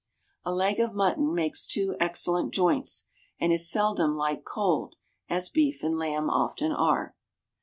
A leg of mutton makes two excellent joints, and is seldom liked cold as beef and lamb often are.